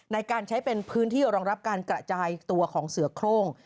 ในการใช้เป็นพื้นที่รองรับการกระจายตัวของเสือโครง